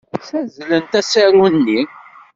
Ssazzlent asaru-nni.